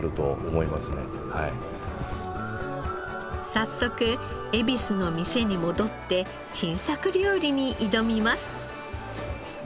早速恵比寿の店に戻って新作料理に挑みます。